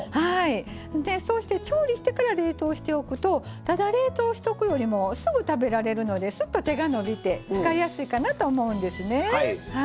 そして調理してから冷凍しておくとただ冷凍しとくよりもすぐ食べられるのですっと手が伸びて使いやすいかなと思うんですね。